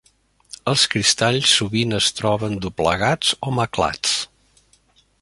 Els cristalls sovint es troben doblegats o maclats.